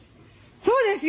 そうですよ